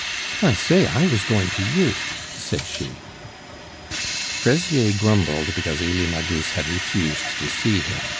"I say! I was going to you," said she. Fraisier grumbled because Elie Magus had refused to see him.